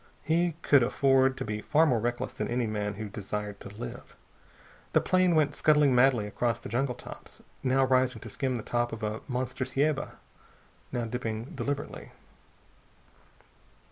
He could afford to be far more reckless than any man who desired to live. The plane went scuttling madly across the jungle tops, now rising to skim the top of a monster ceiba, now dipping deliberately.